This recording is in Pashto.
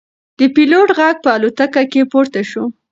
د پیلوټ غږ په الوتکه کې پورته شو.